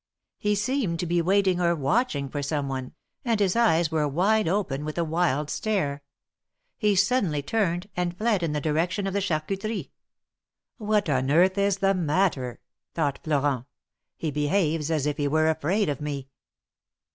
He seemed to be waiting or watching for some one, and his eyes were wide open with a wild stare. He suddenly turned, and fled in the direction of the Charcuterie. ''What on earth is the matter?" thought Florent, "he behaves as if he were afraid of me."